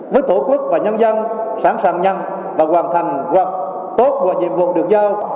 với thổ quốc và nhân dân sẵn sàng nhăn và hoàn thành hoặc tốt vào nhiệm vụ được giao